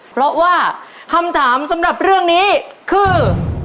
เพราะว่าคำถามสำหรับเรื่องนี้คือ